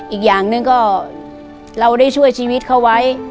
อีกอย่างหนึ่งก็เราได้ช่วยชีวิตเขาไว้